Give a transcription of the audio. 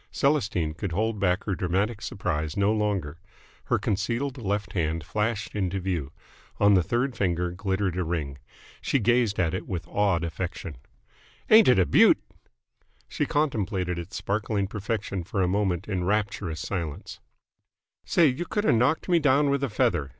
Celestine could hold back her dramatic surprise no longer. Her concealed left hand flashed into view. On the third finger glittered a ring. She gazed at it with awed affection. "Ain't it a beaut!" She contemplated its sparkling perfection for a moment in rapturous silence. "Say, you could have knocked me down with a feather!"